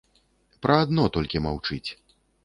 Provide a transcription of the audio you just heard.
Пра адно толькі маўчыць.